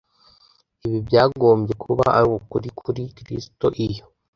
Ibi byagombye kuba ari ukuri kuri Kristo iyo